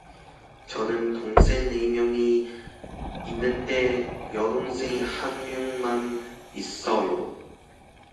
저는 동생 네 명이 있는데 여동생 한 명만 있어요.